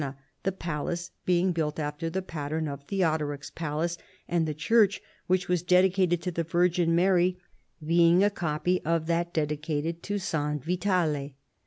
na ; the palace being built after the pattern of Theo doric's palace, and the church, which was dedicated to the Virgin Mary, being a copy of that dedicated to San Vitale.